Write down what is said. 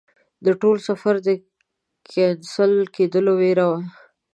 د ټول سفر د کېنسل کېدلو ویره وه.